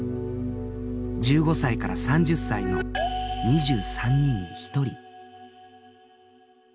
１５歳から３０歳の２３人に１人。